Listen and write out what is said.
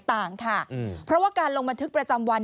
ต่างค่ะเพราะว่าการลงบันทึกประจำวัน